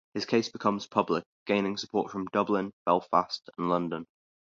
His case becomes public, gaining support from Dublin, Belfast and London.